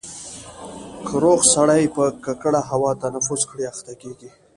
که روغ سړی په ککړه هوا تنفس کړي اخته کېږي.